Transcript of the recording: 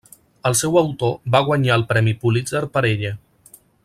El seu autor va guanyar el premi Pulitzer per ella.